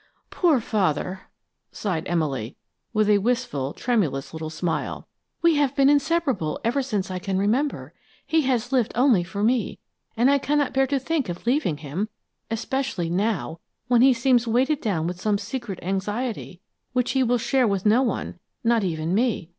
"Poor Father!" sighed Emily, with a wistful, tremulous little smile. "We have been inseparable ever since I can remember. He has lived only for me, and I cannot bear to think of leaving him especially now, when he seems weighed down with some secret anxiety, which he will share with no one, not even me.